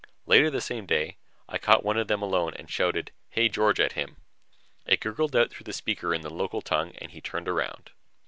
Later the same day, I caught one of them alone and shouted "Hey, George!" at him. It gurgled out through the speaker in the local tongue and he turned around.